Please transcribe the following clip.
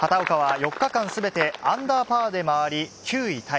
畑岡は４日間すべてアンダーパーで回り、９位タイ。